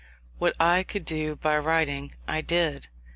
What I could do by writing, I did.